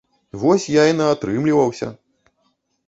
Вось, я і наатрымліваўся!